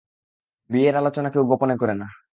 বিয়ের আলোচনা কেউ গোপনে করে না।